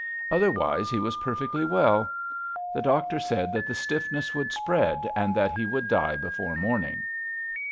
Otherwise he was perfectly well. The doctor said that the stiffness would spread and that he would die before morning.